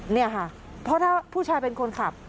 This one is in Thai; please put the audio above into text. เนี่ยค่ะเพราะถ้าผู้ชายเป็นคนขับ